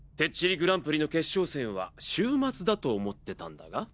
ＧＰの決勝戦は週末だと思ってたんだが。